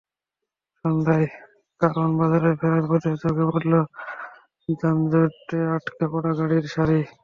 সন্ধ্যায় কারওয়ান বাজারে ফেরার পথে চোখে পড়ল যানজটে আটকা পড়া গাড়ির সারি।